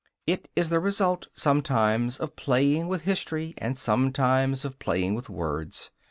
It is the result, sometimes, of playing with history and, sometimes, of playing with words.